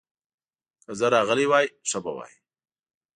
که زه راغلی وای، ښه به وای.